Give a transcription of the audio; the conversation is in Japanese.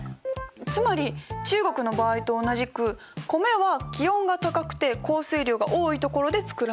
つまり中国の場合と同じく米は気温が高くて降水量が多いところで作られる。